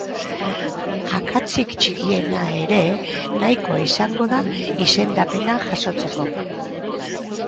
Akatsik txikiena ere nahikoa izango da izendapena jasotzeko.